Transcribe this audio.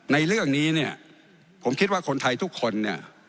ในเรื่องนี้เนี่ยผมคิดว่าคนไทยทุกคนเนี่ย